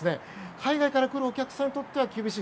海外からくるお客さんにとっては厳しい。